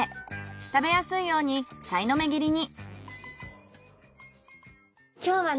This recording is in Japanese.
食べやすいようにさいの目切りに。